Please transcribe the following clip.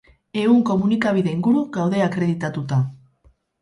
Ehun komunikabide inguru gaude akreditatuta.